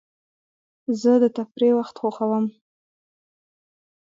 زه د تفریح وخت خوښوم.